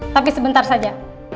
tapi sebentar saja